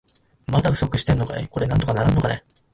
まだ不足してんのかい。これなんとかならんのかね。